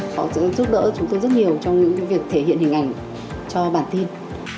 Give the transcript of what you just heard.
họ sẽ giúp đỡ chúng tôi rất nhiều trong những việc thể hiện hình ảnh cho bản tin